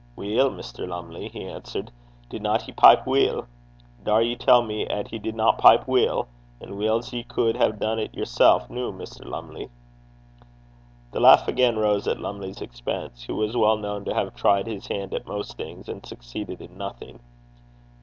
'Weel, Mr. Lumley,' he answered, 'didna he pipe weel? Daur ye tell me 'at he didna pipe weel? as weel's ye cud hae dune 't yersel', noo, Mr. Lumley?' The laugh again rose at Lumley's expense, who was well known to have tried his hand at most things, and succeeded in nothing.